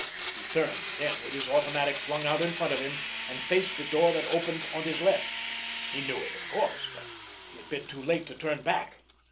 He turned, then, with his automatic flung out in front of him—and faced toward the door that opened on his left. He knew it, of course! But it had been too late to turn back.